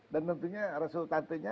dan tentunya resultantinya